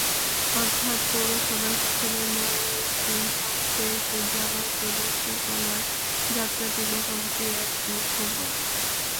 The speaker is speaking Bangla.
অর্থাৎ পৌরসভা হিসেবে ময়মনসিংহ, শেরপুর, জামালপুর, নেত্রকোনার যাত্রাটি মোটামুটি একই সময়।